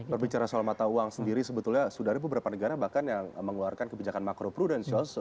berbicara soal mata uang sendiri sebetulnya sudah ada beberapa negara bahkan yang mengeluarkan kebijakan makro prudensial